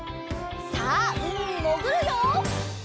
さあうみにもぐるよ！